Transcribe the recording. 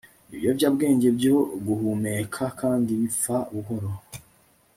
ibiyobyabwenge byo guhumeka kandi bipfa buhoro